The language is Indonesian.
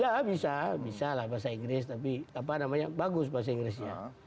ya bisa bisa lah bahasa inggris tapi apa namanya bagus bahasa inggrisnya